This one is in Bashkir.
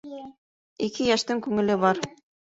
Ике йәштең күңеле бар